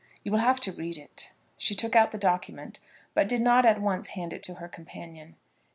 You will have to read it." She took out the document, but did not at once hand it to her companion.